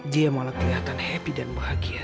dia malah kelihatan happy dan bahagia